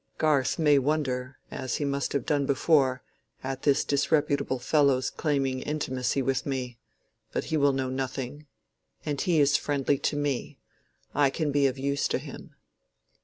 Garth may wonder, as he must have done before, at this disreputable fellow's claiming intimacy with me; but he will know nothing. And he is friendly to me—I can be of use to him."